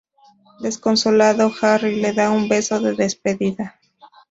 Desconsolado Harry le da un beso de despedida.